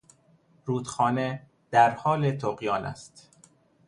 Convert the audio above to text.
رودخانه در حال طغیان است.